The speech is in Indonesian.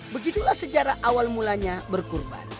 begitulah sejarah awal mulanya berkurban